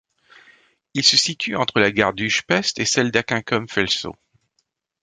Il se situe entre la gare d'Újpest et celle d'Aquincum felső.